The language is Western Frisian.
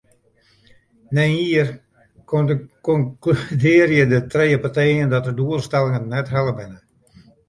Nei in jier konkludearje de trije partijen dat de doelstellingen net helle binne.